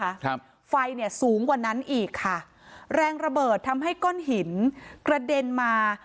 ครับไฟเนี้ยสูงกว่านั้นอีกค่ะแรงระเบิดทำให้ก้อนหินกระเด็นมา